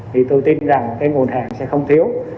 thì tôi tin rằng cái nguồn hàng sẽ không thiếu